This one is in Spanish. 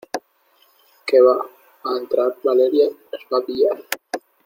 que va a entrar Valeria y nos va a pillar.